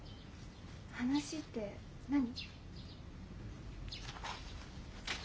話って何？